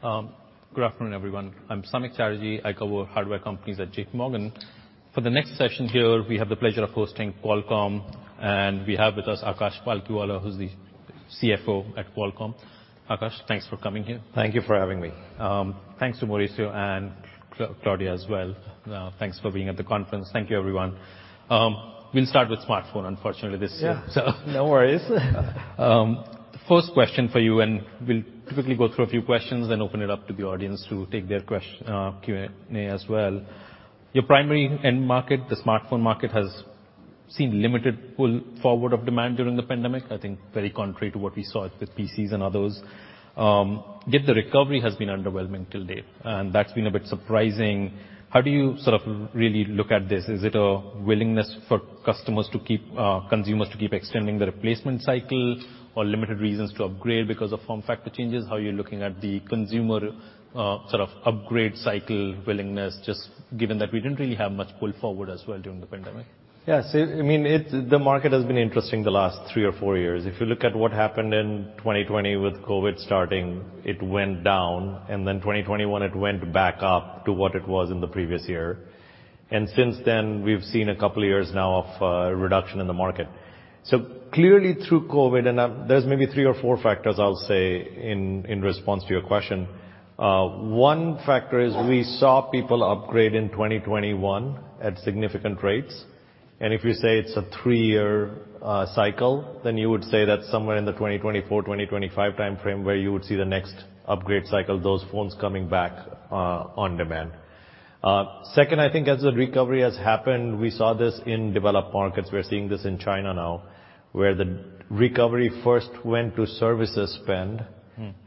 Good afternoon, everyone. I'm Samik Chatterjee. I cover hardware companies at J.P. Morgan. For the next session here, we have the pleasure of hosting Qualcomm. We have with us Akash Palkhiwala, who's the CFO at Qualcomm. Akash, thanks for coming here. Thank you for having me. Thanks to Mauricio and Claudia as well. Thanks for being at the conference. Thank you, everyone. We'll start with smartphone, unfortunately, this year, so. Yeah. No worries. The first question for you, we'll typically go through a few questions, then open it up to the audience to take their Q&A as well. Your primary end market, the smartphone market, has seen limited pull forward of demand during the pandemic, I think very contrary to what we saw with PCs and others. Yet the recovery has been underwhelming till date, and that's been a bit surprising. How do you sort of really look at this? Is it a willingness for consumers to keep extending the replacement cycle or limited reasons to upgrade because of form factor changes? How are you looking at the consumer sort of upgrade cycle willingness, just given that we didn't really have much pull forward as well during the pandemic? Yes. I mean, it's the market has been interesting the last three or four years. If you look at what happened in 2020 with COVID starting, it went down. Then in 2021, it went back up to what it was in the previous year. Since then, we've seen a couple of years now of reduction in the market. Clearly through COVID, there's maybe three or four factors I'll say in response to your question. One factor is we saw people upgrade in 2021 at significant rates. If you say it's a 3-year cycle, then you would say that's somewhere in the 2024, 2025 timeframe where you would see the next upgrade cycle, those phones coming back on demand. Second, I think as the recovery has happened, we saw this in developed markets. We're seeing this in China now, where the recovery first went to services spend.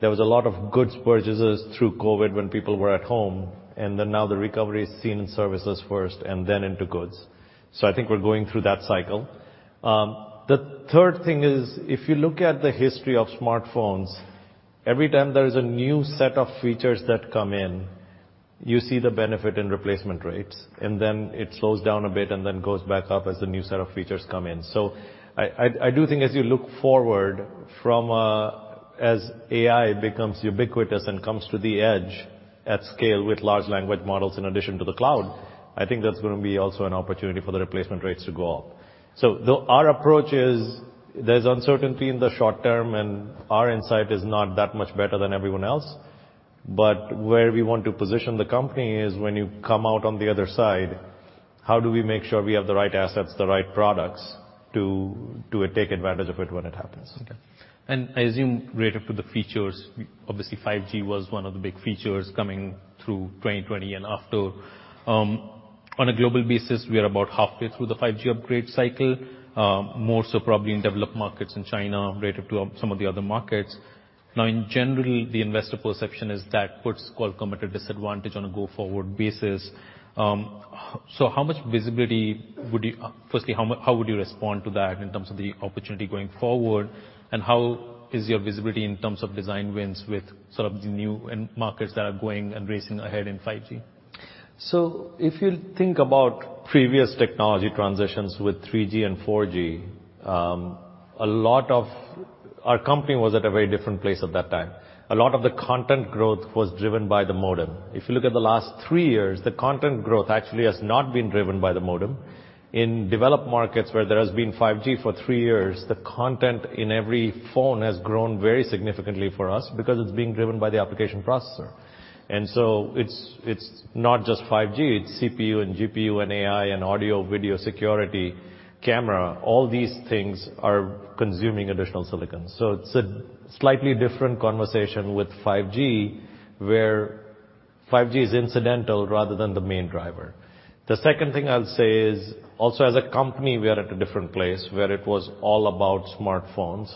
There was a lot of goods purchases through COVID when people were at home, and then now the recovery is seen in services first and then into goods. I think we're going through that cycle. The third thing is, if you look at the history of smartphones, every time there's a new set of features that come in, you see the benefit in replacement rates, and then it slows down a bit and then goes back up as the new set of features come in. I do think as you look forward from as AI becomes ubiquitous and comes to the edge at scale with large language models in addition to the cloud, I think that's gonna be also an opportunity for the replacement rates to go up. Our approach is there's uncertainty in the short term, and our insight is not that much better than everyone else. Where we want to position the company is when you come out on the other side, how do we make sure we have the right assets, the right products to take advantage of it when it happens? Okay. I assume related to the features, obviously 5G was one of the big features coming through 2020 and after. On a global basis, we are about halfway through the 5G upgrade cycle, more so probably in developed markets in China related to some of the other markets. In general, the investor perception is that puts Qualcomm at a disadvantage on a go-forward basis. So firstly, how would you respond to that in terms of the opportunity going forward? How is your visibility in terms of design wins with sort of the new end markets that are going and racing ahead in 5G? If you think about previous technology transitions with 3G and 4G, Our company was at a very different place at that time. A lot of the content growth was driven by the modem. If you look at the last three years, the content growth actually has not been driven by the modem. In developed markets where there has been 5G for three years, the content in every phone has grown very significantly for us because it's being driven by the application processor. It's, it's not just 5G, it's CPU and GPU and AI and audio, video, security, camera. All these things are consuming additional silicon. It's a slightly different conversation with 5G, where 5G is incidental rather than the main driver. The second thing I'll say is also as a company, we are at a different place where it was all about smartphones.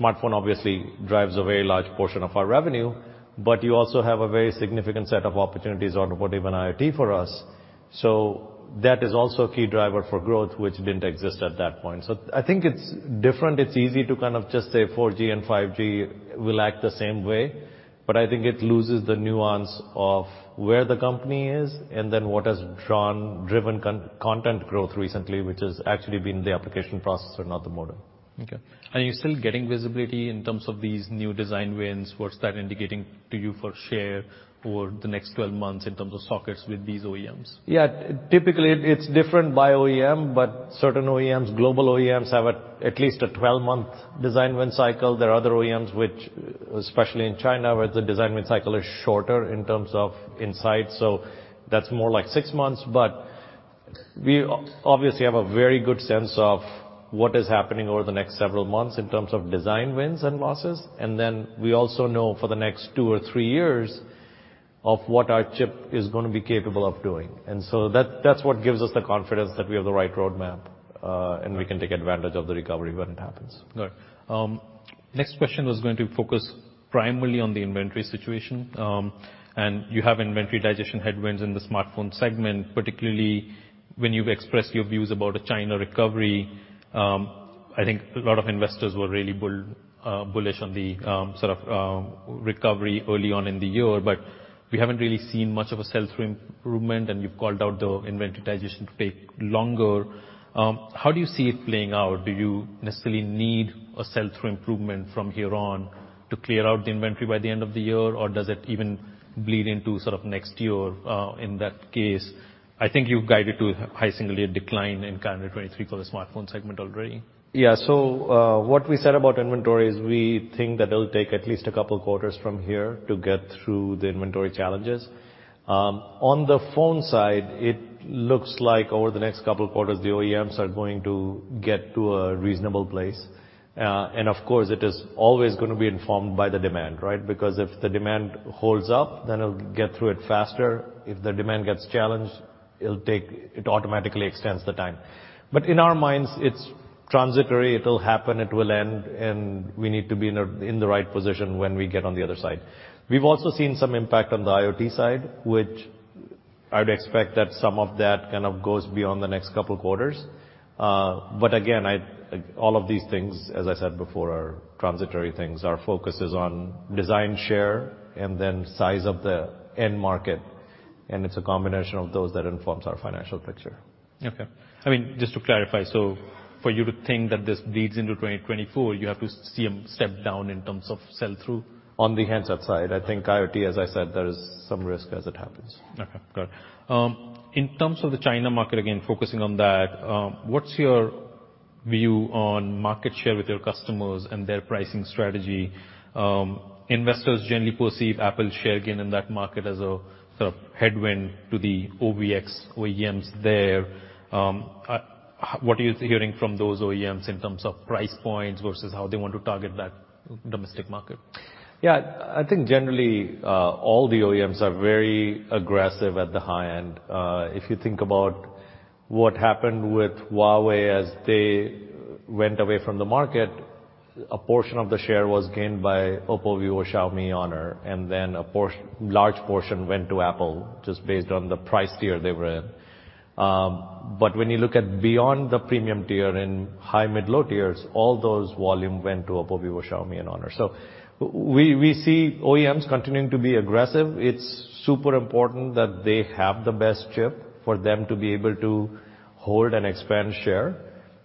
Smartphone obviously drives a very large portion of our revenue, but you also have a very significant set of opportunities out of what even IoT for us. That is also a key driver for growth, which didn't exist at that point. I think it's different. It's easy to kind of just say 4G and 5G will act the same way, but I think it loses the nuance of where the company is and then what has driven content growth recently, which has actually been the application processor, not the modem. Okay. Are you still getting visibility in terms of these new design wins? What's that indicating to you for share over the next 12 months in terms of sockets with these OEMs? Typically, it's different by OEM, certain OEMs, global OEMs, have at least a 12-month design win cycle. There are other OEMs which, especially in China, where the design win cycle is shorter in terms of insight, so that's more like 6 months. We obviously have a very good sense of what is happening over the next several months in terms of design wins and losses. We also know for the next two or three years of what our chip is gonna be capable of doing. So that's what gives us the confidence that we have the right roadmap, and we can take advantage of the recovery when it happens. Got it. Next question was going to focus primarily on the inventory situation. You have inventory digestion headwinds in the smartphone segment, particularly when you've expressed your views about a China recovery. I think a lot of investors were really bullish on the sort of recovery early on in the year, but we haven't really seen much of a sell-through improvement, and you've called out the inventization to take longer. How do you see it playing out? Do you necessarily need a sell-through improvement from here on to clear out the inventory by the end of the year? Or does it even bleed into sort of next year in that case? I think you've guided to high singly a decline in calendar 2023 for the smartphone segment already. What we said about inventory is we think that it'll take at least a couple quarters from here to get through the inventory challenges. On the phone side, it looks like over the next couple quarters, the OEMs are going to get to a reasonable place. Of course, it is always gonna be informed by the demand, right? Because if the demand holds up, then it'll get through it faster. If the demand gets challenged, it'll take, it automatically extends the time. In our minds, it's transitory. It'll happen, it will end, and we need to be in the right position when we get on the other side. We've also seen some impact on the IoT side, which I'd expect that some of that kind of goes beyond the next couple quarters. Again, all of these things, as I said before, are transitory things. Our focus is on design share and then size of the end market, and it's a combination of those that informs our financial picture. Okay. I mean, just to clarify. For you to think that this bleeds into 2024, you have to see them step down in terms of sell-through? On the handset side. I think IoT, as I said, there is some risk as it happens. Okay. Got it. In terms of the China market, again, focusing on that, what's your view on market share with your customers and their pricing strategy? Investors generally perceive Apple's share gain in that market as a sort of headwind to the OVX OEMs there. What are you hearing from those OEMs in terms of price points versus how they want to target that domestic market? Yeah. I think generally, all the OEMs are very aggressive at the high end. If you think about what happened with Huawei as they went away from the market, a portion of the share was gained by OPPO, Vivo, Xiaomi, Honor, a large portion went to Apple, just based on the price tier they were in. When you look at beyond the premium tier in high, mid, low tiers, all those volume went to OPPO, Vivo, Xiaomi, and Honor. We see OEMs continuing to be aggressive. It's super important that they have the best chip for them to be able to hold and expand share.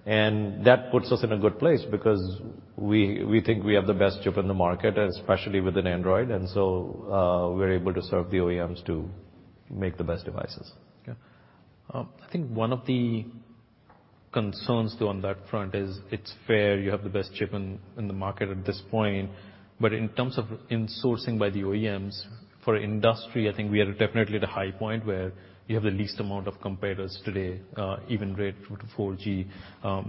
That puts us in a good place because we think we have the best chip in the market, especially within Android. We're able to serve the OEMs to make the best devices. Okay. I think one of the concerns, though, on that front is it's fair you have the best chip in the market at this point. In terms of insourcing by the OEMs for industry, I think we are definitely at a high point where you have the least amount of competitors today, even grade 2 to 4G.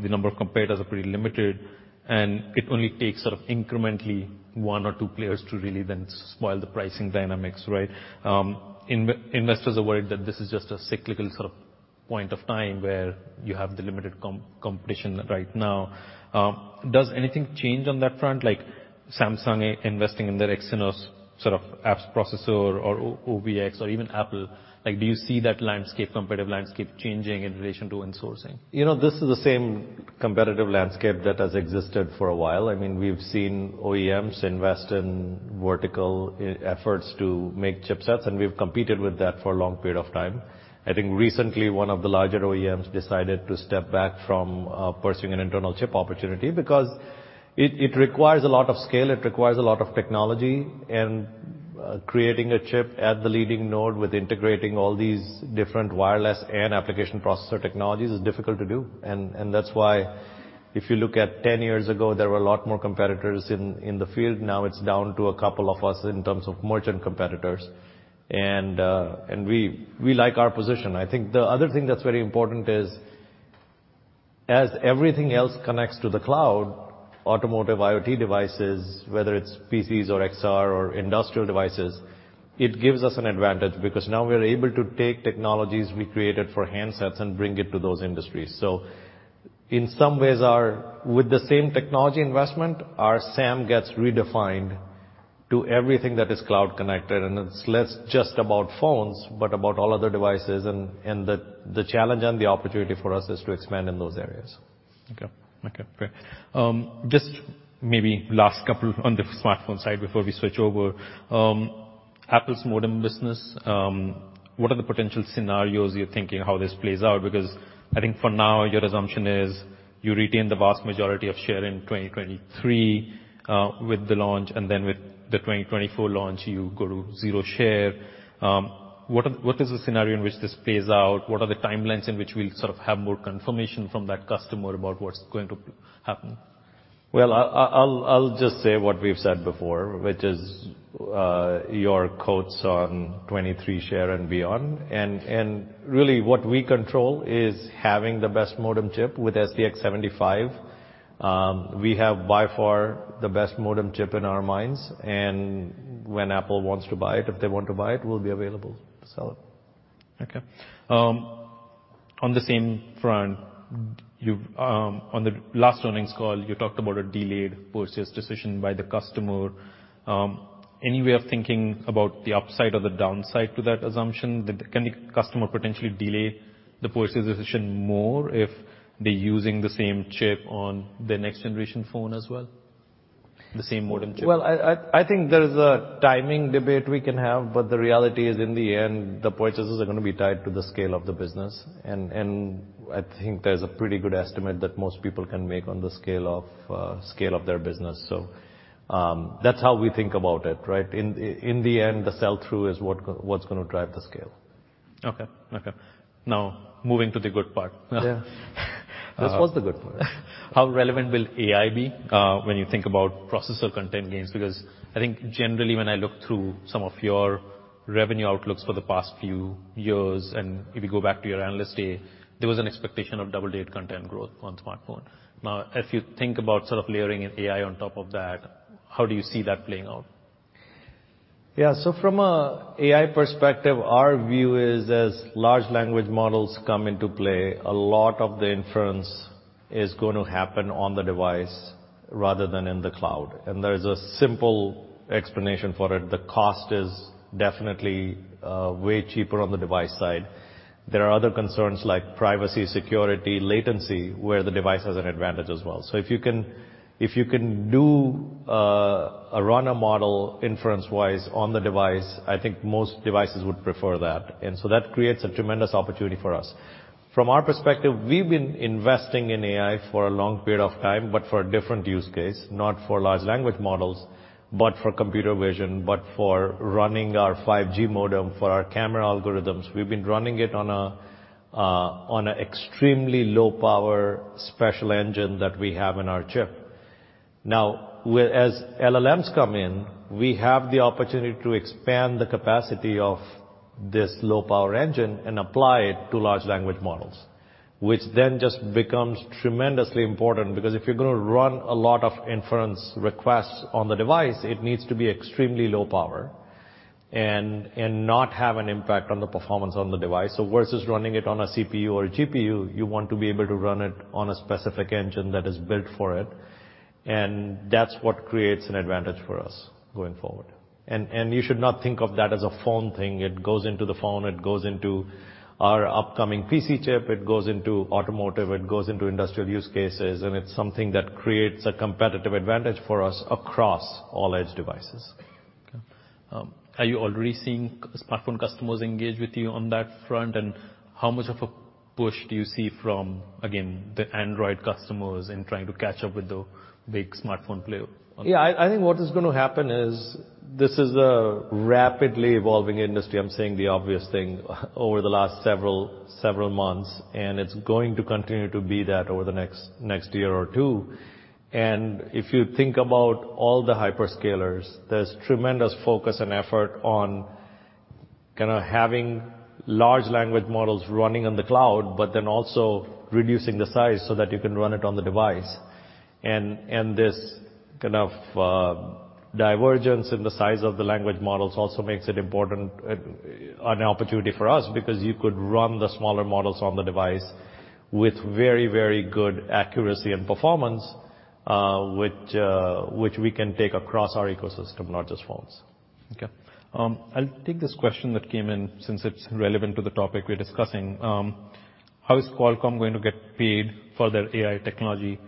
The number of competitors are pretty limited, and it only takes sort of incrementally one or two players to really then spoil the pricing dynamics, right? Investors are worried that this is just a cyclical sort of point of time where you have the limited competition right now. Does anything change on that front, like Samsung investing in their Exynos sort of apps processor or OVX or even Apple? Like, do you see that landscape, competitive landscape changing in relation to insourcing? You know, this is the same competitive landscape that has existed for a while. I mean, we've seen OEMs invest in vertical e-efforts to make chipsets, and we've competed with that for a long period of time. I think recently one of the larger OEMs decided to step back from pursuing an internal chip opportunity because it requires a lot of scale, it requires a lot of technology, and creating a chip at the leading node with integrating all these different wireless and application processor technologies is difficult to do. That's why if you look at 10 years ago, there were a lot more competitors in the field. Now it's down to a couple of us in terms of merchant competitors. We like our position. I think the other thing that's very important is as everything else connects to the cloud, automotive IoT devices, whether it's PCs or XR or industrial devices, it gives us an advantage because now we're able to take technologies we created for handsets and bring it to those industries. In some ways with the same technology investment, our SAM gets redefined to everything that is cloud connected, and it's less just about phones, but about all other devices. The challenge and the opportunity for us is to expand in those areas. Okay. Okay, great. Just maybe last couple on the smartphone side before we switch over. Apple's modem business, what are the potential scenarios you're thinking how this plays out? I think for now, your assumption is you retain the vast majority of share in 2023 with the launch, and then with the 2024 launch, you go to zero share. What is the scenario in which this plays out? What are the timelines in which we'll sort of have more confirmation from that customer about what's going to happen? Well, I'll just say what we've said before, which is, your quotes on 2023 share and beyond. Really what we control is having the best modem chip with SDX75. We have by far the best modem chip in our minds, and when Apple wants to buy it, if they want to buy it, we'll be available to sell it. Okay. On the same front, you, on the last earnings call, you talked about a delayed purchase decision by the customer. Any way of thinking about the upside or the downside to that assumption? Can the customer potentially delay the purchase decision more if they're using the same chip on the next generation phone as well? The same modem chip. Well, I think there is a timing debate we can have, but the reality is, in the end, the purchases are gonna be tied to the scale of the business. I think there's a pretty good estimate that most people can make on the scale of their business. That's how we think about it, right? In the end, the sell-through is what's gonna drive the scale. Okay. Okay. Now moving to the good part. Yeah. This was the good part. How relevant will AI be when you think about processor content gains? I think generally when I look through some of your revenue outlooks for the past few years, and if you go back to your analyst day, there was an expectation of double-digit content growth on smartphone. Now, if you think about sort of layering in AI on top of that, how do you see that playing out? From a AI perspective, our view is as large language models come into play, a lot of the inference is going to happen on the device rather than in the cloud. There's a simple explanation for it. The cost is definitely way cheaper on the device side. There are other concerns like privacy, security, latency, where the device has an advantage as well. If you can do a runner model inference-wise on the device, I think most devices would prefer that. That creates a tremendous opportunity for us. From our perspective, we've been investing in AI for a long period of time, but for a different use case, not for large language models, but for computer vision, but for running our 5G modem, for our camera algorithms. We've been running it on a on a extremely low power special engine that we have in our chip. Where as LLMs come in, we have the opportunity to expand the capacity of this low power engine and apply it to large language models, which then just becomes tremendously important because if you're gonna run a lot of inference requests on the device, it needs to be extremely low power and not have an impact on the performance on the device. Versus running it on a CPU or a GPU, you want to be able to run it on a specific engine that is built for it, and that's what creates an advantage for us going forward. You should not think of that as a phone thing. It goes into the phone, it goes into our upcoming PC chip, it goes into automotive, it goes into industrial use cases, and it's something that creates a competitive advantage for us across all Edge devices. Okay. Are you already seeing smartphone customers engage with you on that front? How much of a push do you see from, again, the Android customers in trying to catch up with the big smartphone player? Yeah. I think what is gonna happen is this is a rapidly evolving industry, I'm saying the obvious thing, over the last several months, it's going to continue to be that over the next year or two. If you think about all the hyperscalers, there's tremendous focus and effort on kinda having large language models running on the cloud, also reducing the size so that you can run it on the device. This kind of divergence in the size of the large language models also makes it important an opportunity for us because you could run the smaller models on the device with very good accuracy and performance, which we can take across our ecosystem, not just phones. Okay. I'll take this question that came in since it's relevant to the topic we're discussing. How is Qualcomm going to get paid for their AI technology?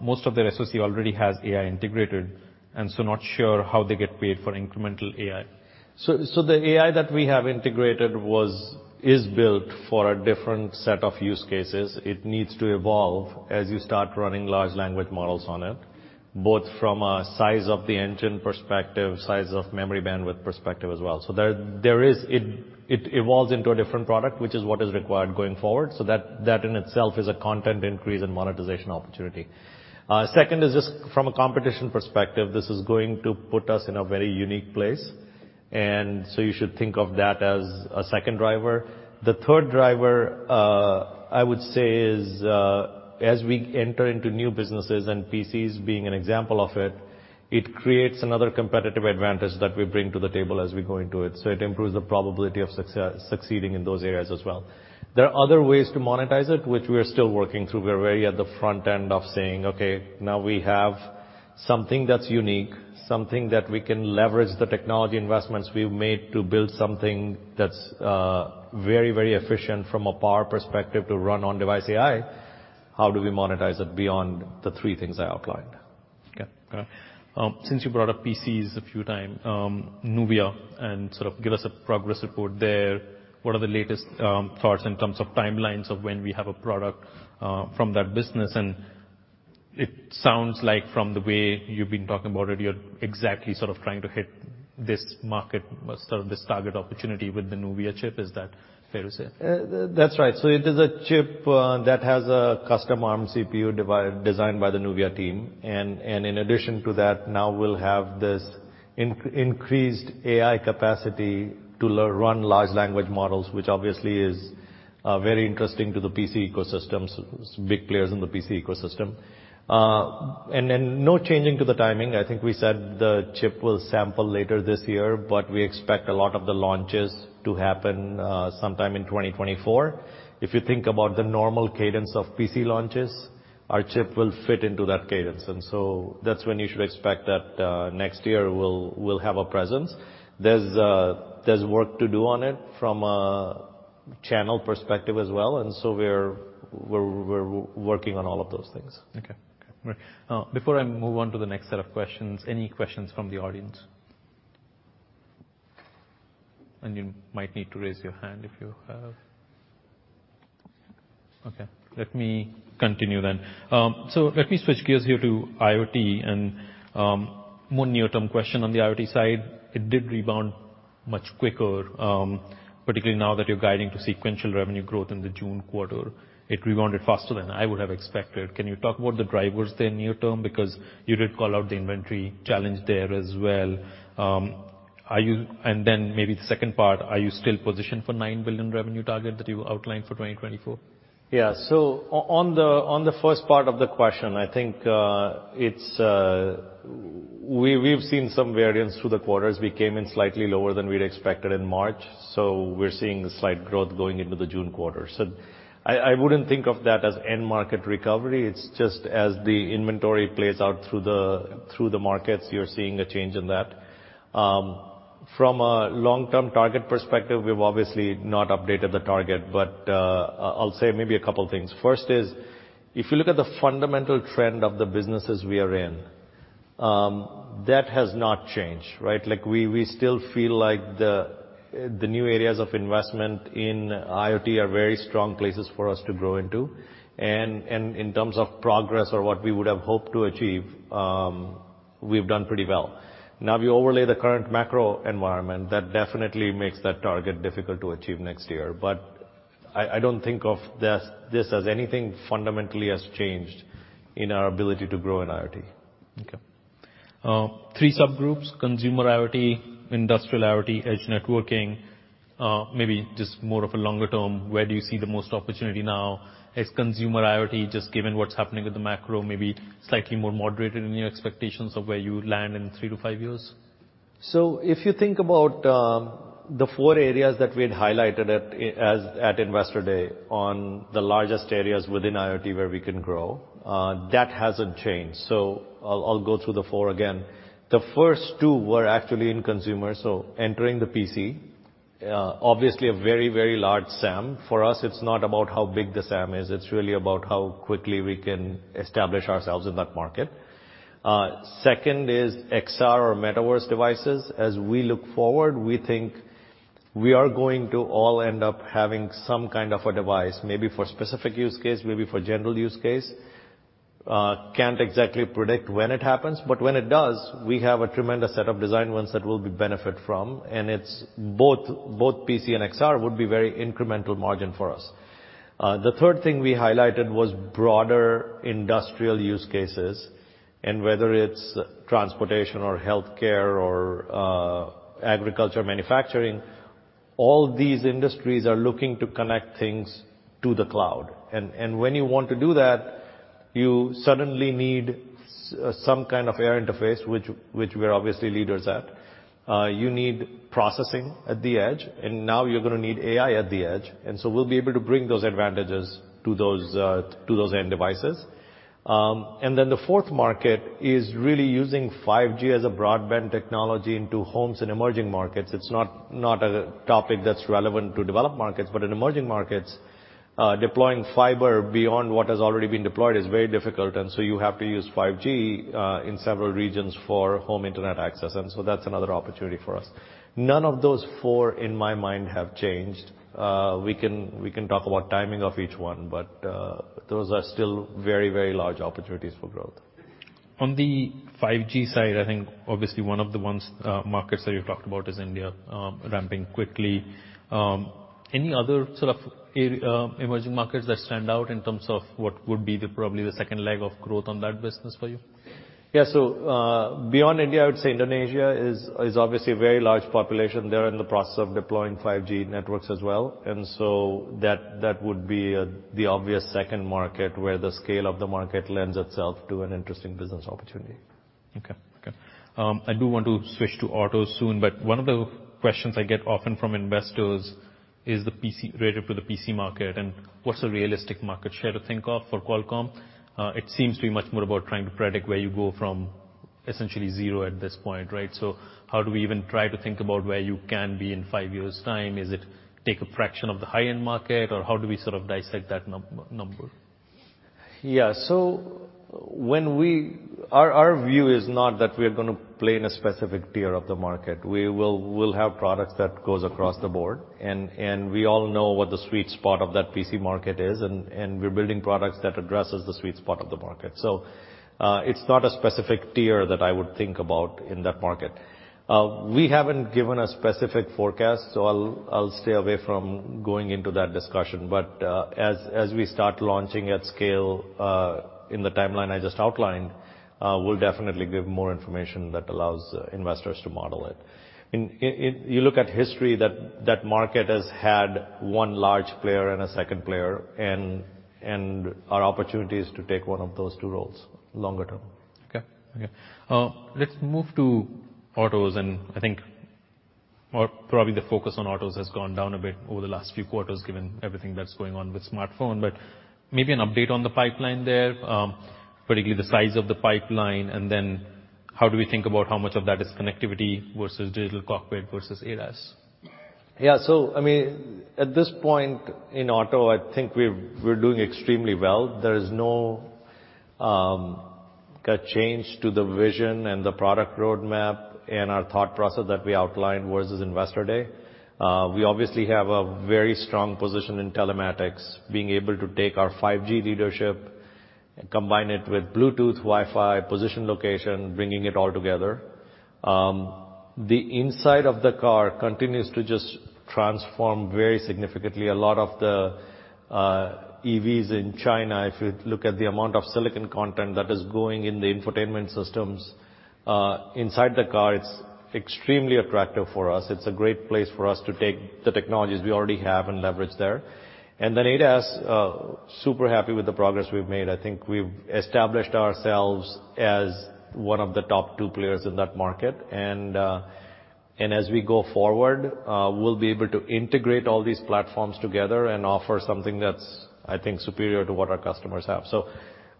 Most of their SoC already has AI integrated. Not sure how they get paid for incremental AI. The AI that we have integrated is built for a different set of use cases. It needs to evolve as you start running large language models on it, both from a size of the engine perspective, size of memory bandwidth perspective as well. It evolves into a different product, which is what is required going forward. That in itself is a content increase and monetization opportunity. Second is just from a competition perspective, this is going to put us in a very unique place, and you should think of that as a second driver. The third driver, I would say is, as we enter into new businesses, and PCs being an example of it creates another competitive advantage that we bring to the table as we go into it, so it improves the probability of succeeding in those areas as well. There are other ways to monetize it, which we're still working through. We're very at the front end of saying, "Okay, now we have something that's unique, something that we can leverage the technology investments we've made to build something that's, very, very efficient from a power perspective to run on device AI. How do we monetize it beyond the three things I outlined? Okay. All right. Since you brought up PCs a few time, NUVIA and sort of give us a progress report there. What are the latest thoughts in terms of timelines of when we have a product from that business? It sounds like from the way you've been talking about it, you're exactly sort of trying to hit this market or sort of this target opportunity with the NUVIA chip. Is that fair to say? That's right. It is a chip that has a custom Arm CPU designed by the NUVIA team. In addition to that, now we'll have this increased AI capacity to run large language models, which obviously is very interesting to the PC ecosystems, big players in the PC ecosystem. No changing to the timing. I think we said the chip will sample later this year, but we expect a lot of the launches to happen sometime in 2024. If you think about the normal cadence of PC launches. Our chip will fit into that cadence, that's when you should expect that next year we'll have a presence. There's work to do on it from a channel perspective as well, we're working on all of those things. Okay. Okay. Before I move on to the next set of questions, any questions from the audience? You might need to raise your hand if you have. Okay, let me continue. Let me switch gears here to IoT and one near-term question on the IoT side. It did rebound much quicker, particularly now that you're guiding to sequential revenue growth in the June quarter. It rebounded faster than I would have expected. Can you talk about the drivers there near-term? You did call out the inventory challenge there as well. Maybe the second part, are you still positioned for $9 billion revenue target that you outlined for 2024? Yeah. On the first part of the question, I think, it's, we've seen some variance through the quarters. We came in slightly lower than we'd expected in March, so we're seeing slight growth going into the June quarter. I wouldn't think of that as end market recovery. It's just as the inventory plays out through the markets, you're seeing a change in that. From a long-term target perspective, we've obviously not updated the target, but I'll say maybe a couple things. First is, if you look at the fundamental trend of the businesses we are in, that has not changed, right? Like we still feel like the new areas of investment in IoT are very strong places for us to grow into. In terms of progress or what we would have hoped to achieve, we've done pretty well. If you overlay the current macro environment, that definitely makes that target difficult to achieve next year. I don't think of this as anything fundamentally has changed in our ability to grow in IoT. Okay. three subgroups, consumer IoT, industrial IoT, edge networking, maybe just more of a longer term, where do you see the most opportunity now? Is consumer IoT just given what's happening with the macro, maybe slightly more moderated in your expectations of where you land in three to five years? If you think about the four areas that we had highlighted as at Investor Day on the largest areas within IoT where we can grow, that hasn't changed. I'll go through the four again. The first two were actually in consumer, so entering the PC. Obviously a very, very large SAM. For us, it's not about how big the SAM is, it's really about how quickly we can establish ourselves in that market. Second is XR or Metaverse devices. As we look forward, we think we are going to all end up having some kind of a device, maybe for specific use case, maybe for general use case. Can't exactly predict when it happens, but when it does, we have a tremendous set of design wins that we'll be benefit from, and it's both PC and XR would be very incremental margin for us. The third thing we highlighted was broader industrial use cases, and whether it's transportation or healthcare or agriculture, manufacturing, all these industries are looking to connect things to the cloud. When you want to do that, you suddenly need some kind of air interface, which we're obviously leaders at. You need processing at the edge, and now you're gonna need AI at the edge. We'll be able to bring those advantages to those to those end devices. The fourth market is really using 5G as a broadband technology into homes in emerging markets. It's not a topic that's relevant to developed markets, but in emerging markets, deploying fiber beyond what has already been deployed is very difficult, and so you have to use 5G in several regions for home internet access, and so that's another opportunity for us. None of those four, in my mind, have changed. We can talk about timing of each one, but those are still very, very large opportunities for growth. On the 5G side, I think obviously one of the ones, markets that you've talked about is India, ramping quickly. Any other sort of emerging markets that stand out in terms of what would be the probably the second leg of growth on that business for you? Yeah. Beyond India, I would say Indonesia is obviously a very large population. They're in the process of deploying 5G networks as well. That would be the obvious second market where the scale of the market lends itself to an interesting business opportunity. Okay. Okay. I do want to switch to auto soon, but one of the questions I get often from investors is related to the PC market and what's a realistic market share to think of for Qualcomm? It seems to be much more about trying to predict where you go from essentially zero at this point, right? How do we even try to think about where you can be in 5 years' time? Is it take a fraction of the high-end market, or how do we sort of dissect that number? Yeah. Our view is not that we're gonna play in a specific tier of the market. We will, we'll have products that goes across the board, and we all know what the sweet spot of that PC market is, and we're building products that addresses the sweet spot of the market. It's not a specific tier that I would think about in that market. We haven't given a specific forecast, so I'll stay away from going into that discussion. As we start launching at scale, in the timeline I just outlined, we'll definitely give more information that allows investors to model it. You look at history, that market has had one large player and a second player, and our opportunity is to take one of those two roles longer term. Okay. Okay. Let's move to autos. Probably the focus on autos has gone down a bit over the last few quarters, given everything that's going on with smartphone. Maybe an update on the pipeline there, particularly the size of the pipeline, and then how do we think about how much of that is connectivity versus digital cockpit versus ADAS? I mean, at this point in auto, I think we're doing extremely well. There is no change to the vision and the product roadmap and our thought process that we outlined versus Investor Day. We obviously have a very strong position in telematics, being able to take our 5G leadership and combine it with Bluetooth, Wi-Fi, position, location, bringing it all together. The inside of the car continues to just transform very significantly. A lot of the EVs in China, if you look at the amount of silicon content that is going in the infotainment systems, inside the car, it's extremely attractive for us. It's a great place for us to take the technologies we already have and leverage there. Then ADAS, super happy with the progress we've made. I think we've established ourselves as one of the top two players in that market. As we go forward, we'll be able to integrate all these platforms together and offer something that's, I think, superior to what our customers have.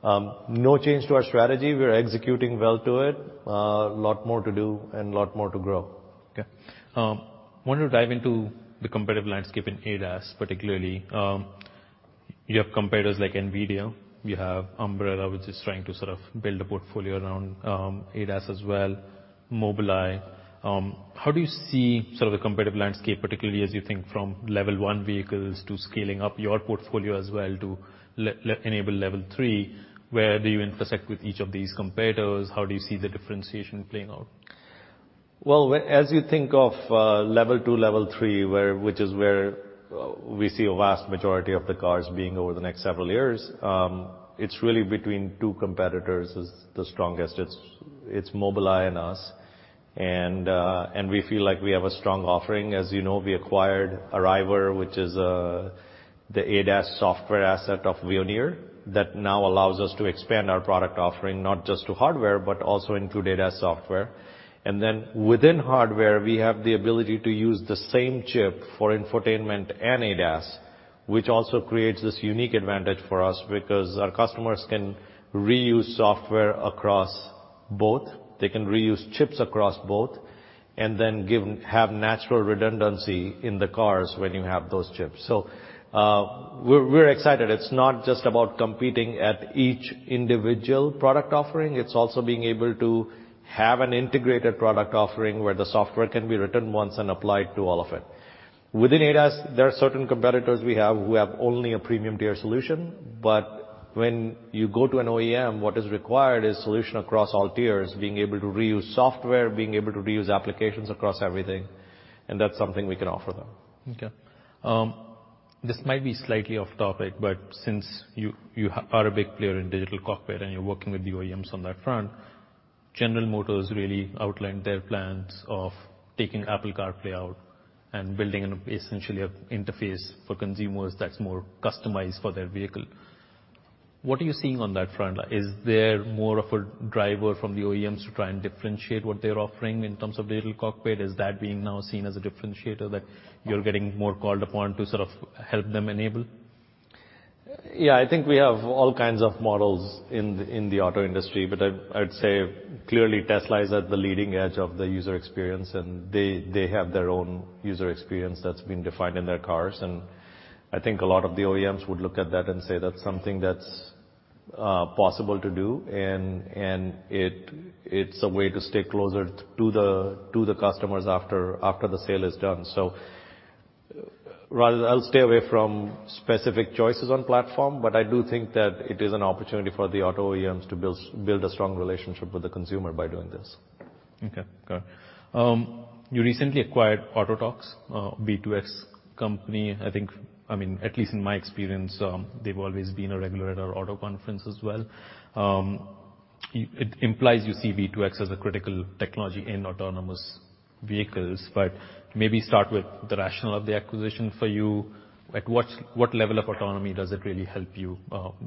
No change to our strategy. We're executing well to it. A lot more to do and a lot more to grow. Okay. Wanted to dive into the competitive landscape in ADAS particularly. You have competitors like NVIDIA. You have Umbrella, which is trying to sort of build a portfolio around ADAS as well. Mobileye. How do you see sort of the competitive landscape, particularly as you think from level one vehicles to scaling up your portfolio as well to enable level three? Where do you intersect with each of these competitors? How do you see the differentiation playing out? Well, as you think of level two, level three, which is where we see a vast majority of the cars being over the next several years, it's really between two competitors is the strongest. It's Mobileye and us, and we feel like we have a strong offering. As you know, we acquired Arriver, which is the ADAS software asset of Veoneer that now allows us to expand our product offering not just to hardware but also into ADAS software. Within hardware, we have the ability to use the same chip for infotainment and ADAS, which also creates this unique advantage for us because our customers can reuse software across both. They can reuse chips across both, have natural redundancy in the cars when you have those chips. We're excited. It's not just about competing at each individual product offering. It's also being able to have an integrated product offering where the software can be written once and applied to all of it. Within ADAS, there are certain competitors we have who have only a premium tier solution, but when you go to an OEM, what is required is solution across all tiers, being able to reuse software, being able to reuse applications across everything, and that's something we can offer them. This might be slightly off topic, but since you are a big player in digital cockpit and you're working with the OEMs on that front, General Motors really outlined their plans of taking Apple CarPlay out and building essentially a interface for consumers that's more customized for their vehicle. What are you seeing on that front? Is there more of a driver from the OEMs to try and differentiate what they're offering in terms of digital cockpit? Is that being now seen as a differentiator that you're getting more called upon to sort of help them enable? Yeah, I think we have all kinds of models in the auto industry, but I'd say clearly Tesla is at the leading edge of the user experience, and they have their own user experience that's been defined in their cars. And I think a lot of the OEMs would look at that and say, "That's something that's possible to do," and it's a way to stay closer to the customers after the sale is done. Rather, I'll stay away from specific choices on platform, but I do think that it is an opportunity for the auto OEMs to build a strong relationship with the consumer by doing this. Okay. Got it. You recently acquired Autotalks, a V2X company. I think, I mean, at least in my experience, they've always been a regular at our auto conference as well. It implies you see V2X as a critical technology in autonomous vehicles, but maybe start with the rationale of the acquisition for you. Like what's, what level of autonomy does it really help you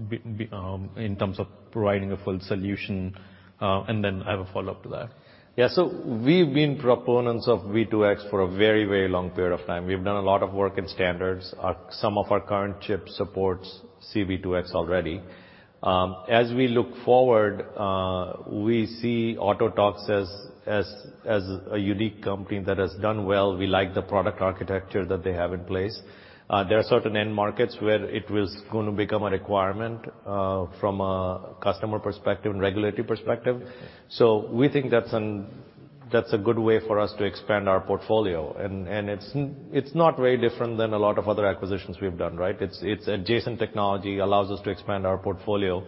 be in terms of providing a full solution? Then I have a follow-up to that. Yeah. We've been proponents of V2X for a very, very long period of time. We've done a lot of work in standards. Some of our current chips supports C-V2X already. As we look forward, we see Autotalks as a unique company that has done well. We like the product architecture that they have in place. There are certain end markets where it is gonna become a requirement from a customer perspective and regulatory perspective. We think that's a good way for us to expand our portfolio. And it's not very different than a lot of other acquisitions we've done, right? It's adjacent technology, allows us to expand our portfolio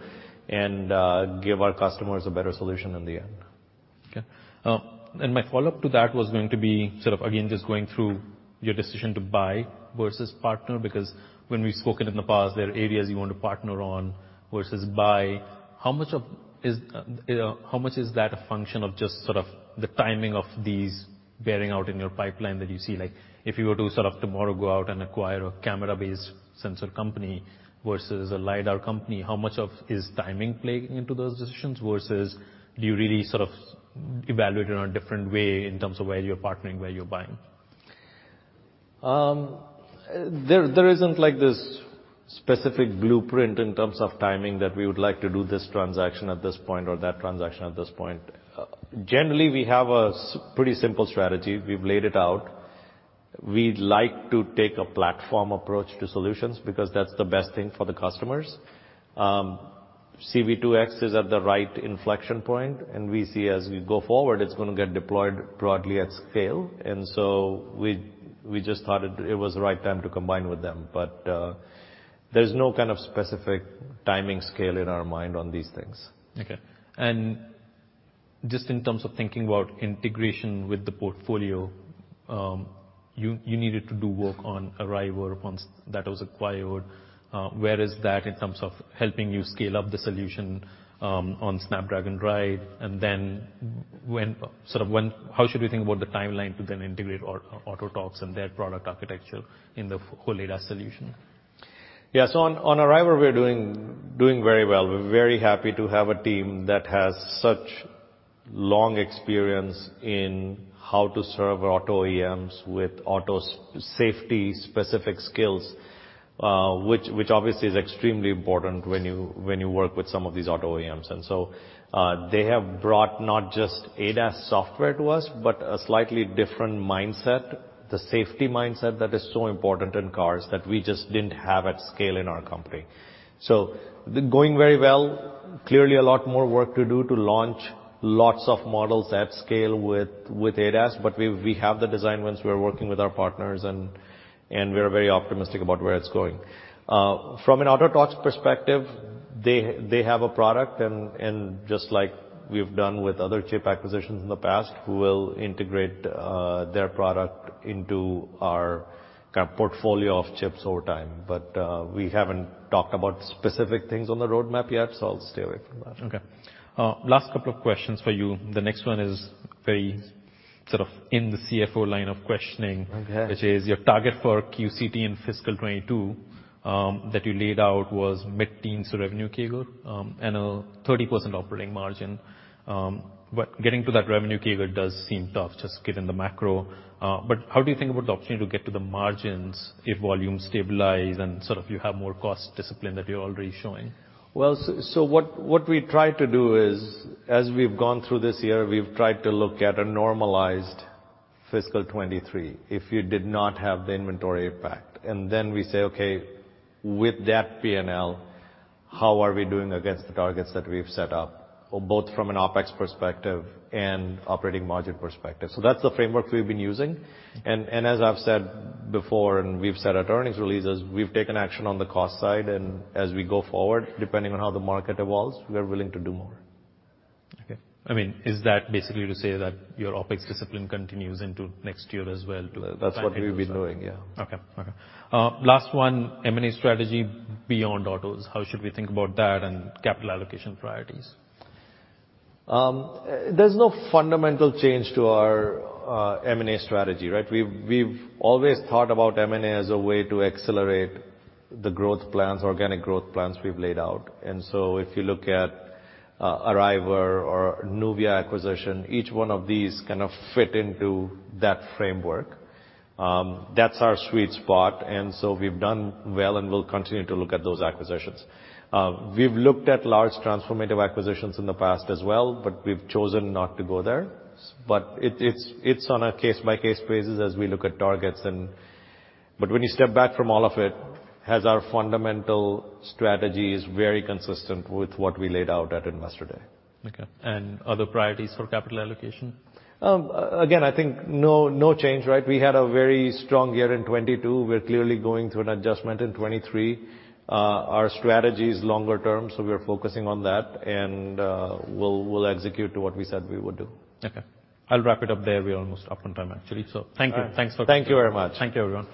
and give our customers a better solution in the end. Okay. My follow-up to that was going to be sort of, again, just going through your decision to buy versus partner, because when we've spoken in the past, there are areas you want to partner on versus buy. How much of is, you know, how much is that a function of just sort of the timing of these bearing out in your pipeline that you see? Like, if you were to sort of tomorrow go out and acquire a camera-based sensor company versus a lidar company, how much of is timing playing into those decisions, versus do you really sort of evaluate it in a different way in terms of where you're partnering, where you're buying? There isn't like this specific blueprint in terms of timing that we would like to do this transaction at this point or that transaction at this point. Generally, we have a pretty simple strategy. We've laid it out. We'd like to take a platform approach to solutions because that's the best thing for the customers. C-V2X is at the right inflection point, and we see as we go forward, it's gonna get deployed broadly at scale. We just thought it was the right time to combine with them. There's no kind of specific timing scale in our mind on these things. Okay. Just in terms of thinking about integration with the portfolio, you needed to do work on Arriver once that was acquired. Where is that in terms of helping you scale up the solution, on Snapdragon Ride? How should we think about the timeline to then integrate Autotalks and their product architecture in the whole ADAS solution? Yeah. on Arriver, we're doing very well. We're very happy to have a team that has such long experience in how to serve auto OEMs with auto safety-specific skills, which obviously is extremely important when you work with some of these auto OEMs. They have brought not just ADAS software to us, but a slightly different mindset, the safety mindset that is so important in cars that we just didn't have at scale in our company. Going very well. Clearly a lot more work to do to launch lots of models at scale with ADAS, but we have the design wins. We're working with our partners and we're very optimistic about where it's going. From an Autotalks perspective, they have a product and just like we've done with other chip acquisitions in the past, we'll integrate their product into our kind of portfolio of chips over time. We haven't talked about specific things on the roadmap yet, so I'll stay away from that. Last couple of questions for you. The next one is very sort of in the CFO line of questioning. Okay. which is your target for QCT in fiscal 2022, that you laid out was mid-teens revenue CAGR, and a 30% operating margin. Getting to that revenue CAGR does seem tough just given the macro. How do you think about the opportunity to get to the margins if volumes stabilize and sort of you have more cost discipline that you're already showing? What we try to do is as we've gone through this year, we've tried to look at a normalized fiscal 2023 if you did not have the inventory impact. We say, okay, with that P&L, how are we doing against the targets that we've set up, both from an OpEx perspective and operating margin perspective? That's the framework we've been using. As I've said before and we've said at earnings releases, we've taken action on the cost side. As we go forward, depending on how the market evolves, we are willing to do more. Okay. I mean, is that basically to say that your OpEx discipline continues into next year as well? That's what we've been doing, yeah. Okay. Okay. Last one, M&A strategy beyond autos, how should we think about that and capital allocation priorities? There's no fundamental change to our M&A strategy, right? We've always thought about M&A as a way to accelerate the growth plans, organic growth plans we've laid out. If you look at Arriver or NUVIA acquisition, each one of these kind of fit into that framework. That's our sweet spot. We've done well, and we'll continue to look at those acquisitions. We've looked at large transformative acquisitions in the past as well, but we've chosen not to go there. It's on a case-by-case basis as we look at targets and... When you step back from all of it, as our fundamental strategy is very consistent with what we laid out at Investor Day. Okay. Other priorities for capital allocation? Again, I think no change, right. We had a very strong year in 2022. We're clearly going through an adjustment in 2023. Our strategy is longer term, so we're focusing on that. We'll execute to what we said we would do. Okay. I'll wrap it up there. We're almost up on time actually. Thank you. Thank you very much. Thank you, everyone.